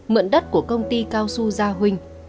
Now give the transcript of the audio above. mượn đất của công ty cao su gia huynh